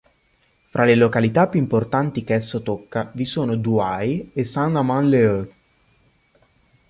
Fra le località più importanti che esso tocca vi sono Douai e Saint-Amand-les-Eaux.